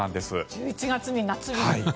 １１月に夏日。